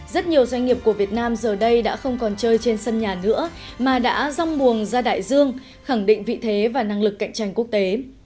rất nhiều doanh nghiệp của việt nam giờ đây đã không còn chơi trên sân nhà nữa mà đã rong buồng ra đại dương khẳng định vị thế và năng lực cạnh tranh quốc tế